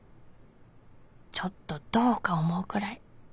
ちょっとどうか思うぐらい。